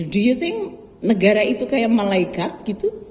do you think negara itu kayak malaikat gitu